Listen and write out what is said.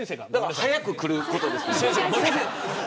早く来ることですね。